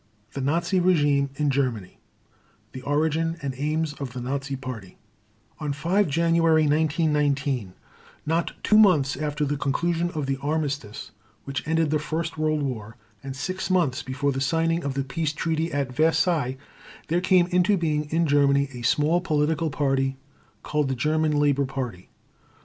The Nazi Regime in Germany the Origin and Aims of the Nazi Party On 5 January 1919, not two months after the conclusion of the Armistice which ended the first World War, and six months before the signing of the peace treaties at Versailles, there came into being in Germany a small political party called the German Labor Party.